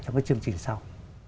trong các chương trình sau